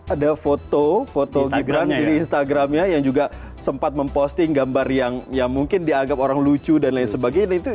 ada foto foto gibran di instagramnya yang juga sempat memposting gambar yang mungkin dianggap orang lucu dan lain sebagainya